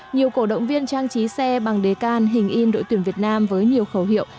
nhiều cổ động viên trang trí xe bằng đề can hình in đội tuyển việt nam với nhiều khẩu hiệu